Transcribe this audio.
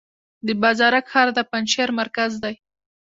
د بازارک ښار د پنجشیر مرکز دی